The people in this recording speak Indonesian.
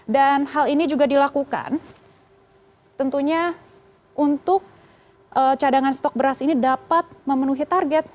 dan hal ini juga dilakukan tentunya untuk cadangan stok beras ini dapat memenuhi target